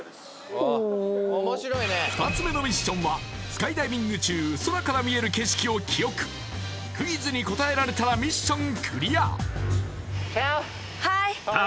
おお２つ目のミッションはスカイダイビング中空から見える景色を記憶クイズに答えられたらミッションクリアＴａｏ！